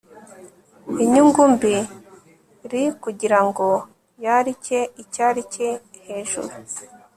inyungu mbi r kugira ngo yarike icyari cye hejuru